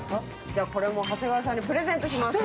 じゃあこれも長谷川さんにプレゼントします。